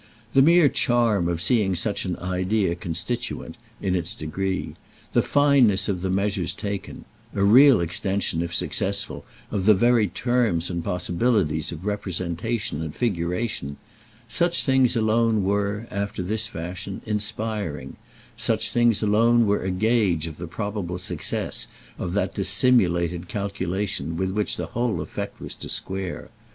The mere charm of seeing such an idea constituent, in its degree; the fineness of the measures taken—a real extension, if successful, of the very terms and possibilities of representation and figuration—such things alone were, after this fashion, inspiring, such things alone were a gage of the probable success of that dissimulated calculation with which the whole effort was to square.